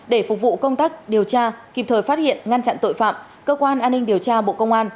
để phục vụ công tác điều tra kịp thời phát hiện ngăn chặn tội phạm cơ quan an ninh điều tra bộ công an